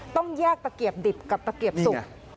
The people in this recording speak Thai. ต้องแยกตะเกียบดิบกับตะเกียบสุก